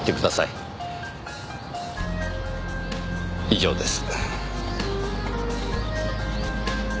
以上です。